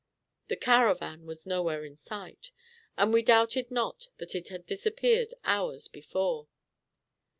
The caravan was nowhere in sight, and we doubted not that it had disappeared hours before.